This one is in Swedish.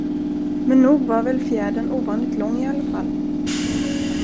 Men nog var väl fjädern ovanligt lång i alla fall?